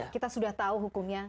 kita sudah tahu hukumnya